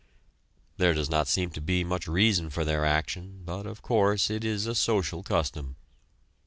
There does not seem to be much reason for their action, but, of course, it is a social custom.